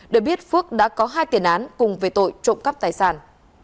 để biết phước đã có hai tiền án cùng về tội trộm cắp tài sản